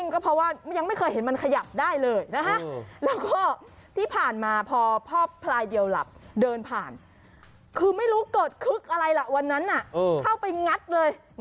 คือไม่รู้เกิดคึกอะไรล่ะวันนั้นน่ะเข้าไปงัดเลย